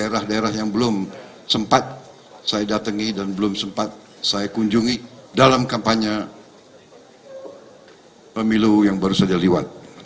daerah daerah yang belum sempat saya datangi dan belum sempat saya kunjungi dalam kampanye pemilu yang baru saja liwat